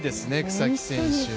草木選手。